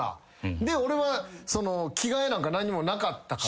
で俺は着替えなんか何にもなかったから。